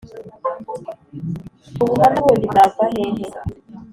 ubuhamya bundi bwava hehe